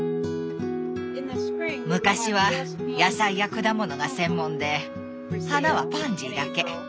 昔は野菜や果物が専門で花はパンジーだけ。